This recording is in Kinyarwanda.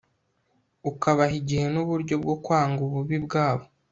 ukabaha igihe n'uburyo bwo kwanga ububi bwabo